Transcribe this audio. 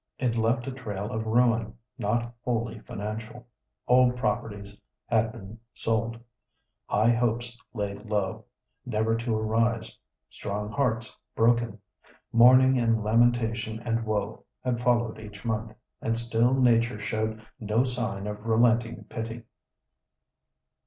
It left a trail of ruin, not wholly financial. Old properties had been sold, high hopes laid low, never to arise; strong hearts broken. "Mourning and lamentation and woe" had followed each month, and still Nature showed no sign of relenting pity.